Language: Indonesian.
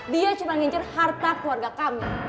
dia cuma ngincar harta keluarga kami